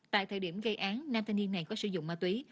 tại thời điểm gây án nam thanh niên này có sử dụng ma túy